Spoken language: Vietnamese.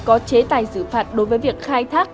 có chế tài xử phạt đối với việc khai thác